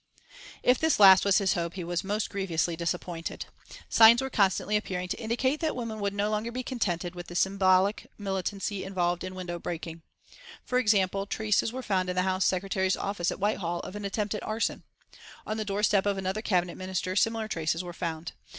If this last was his hope he was most grievously disappointed. Signs were constantly appearing to indicate that women would no longer be contented with the symbolic militancy involved in window breaking. For example, traces were found in the Home Secretary's office at Whitehall of an attempt at arson. On the doorstep of another Cabinet Minister similar traces were found.